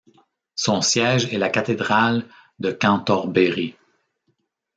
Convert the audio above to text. Son siège est la cathédrale de Cantorbéry.